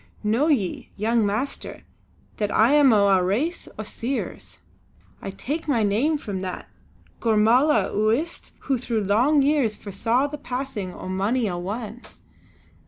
Know ye, young master, that I am o' a race o' Seers. I take my name from that Gormala o' Uist who through long years foresaw the passing o' mony a one.